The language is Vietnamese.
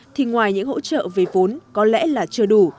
thì ngoài những hỗ trợ về vốn có lẽ là chưa đủ